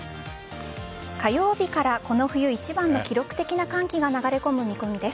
火曜日からこの冬一番の記録的な寒気が流れ込む見込みです。